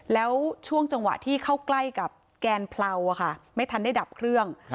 แล้วช่วงจังหวะที่เข้าใกล้กับแกนเพลาไม่ทันได้ดับเครื่อง